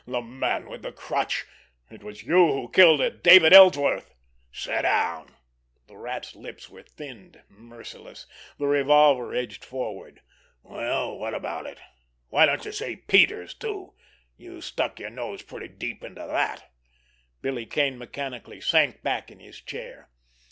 "The Man with the Crutch—it was you who killed David Ellsworth!" "Sit down!" The Rat's lips were thinned, merciless; the revolver edged forward. "Well, what about it! Why don't you say Peters, too? You stuck your nose pretty deep into that!" Billy Kane mechanically sank back in his chair.